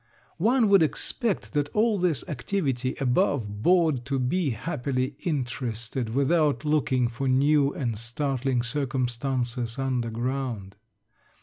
One would expect that all this activity above board to be happily interested without looking for new and startling circumstances under ground.